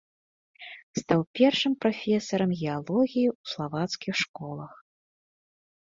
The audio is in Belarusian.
Стаў першым прафесарам геалогіі ў славацкіх школах.